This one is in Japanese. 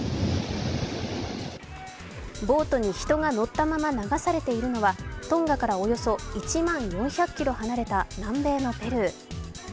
ボートに人が乗ったまま流されているのはトンガからおよそ１万４００ｋｍ離れた南米のペルー。